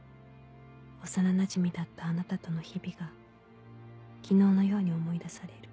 幼なじみだったあなたとの日々が昨日のように思い出される」。